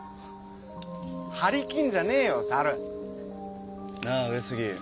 張り切んじゃねえよ猿なぁ上杉